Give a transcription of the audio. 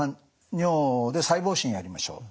尿で細胞診やりましょう」。